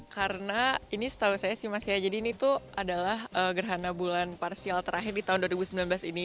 karena ini setahu saya sih mas ya jadi ini tuh adalah gerhana bulan parsial terakhir di tahun dua ribu sembilan belas ini